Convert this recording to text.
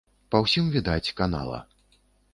Па ўсім відаць, канала.